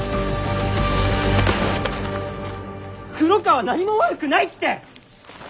黒川は何も悪くないって！